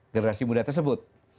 generasi muda tersebut